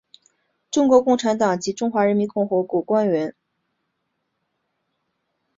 中国共产党及中华人民共和国官员。